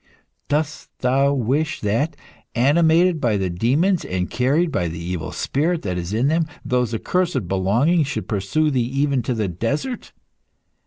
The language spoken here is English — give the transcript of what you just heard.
Dost thou wish that, animated by the demons, and carried by the evil spirit that is in them, those accursed belongings should pursue thee even to the desert?